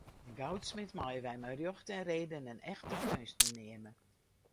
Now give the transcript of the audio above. In goudsmid meie wy mei rjocht en reden in echte keunstner neame.